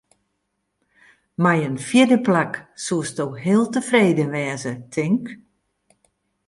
Mei in fjirde plak soesto heel tefreden wêze, tink?